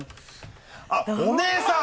あっお姉さん！